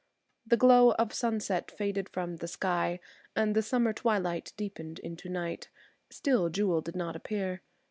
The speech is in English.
The glow of sunset faded from the sky, and the summer twilight deepened into night, still Jewel did not appear.